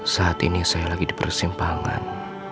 saat ini saya lagi di persimpangan